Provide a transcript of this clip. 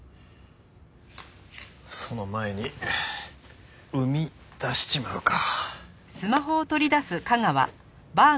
その前に膿出しちまうか。